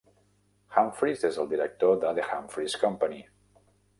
Humphreys és el director de The Humphreys Company.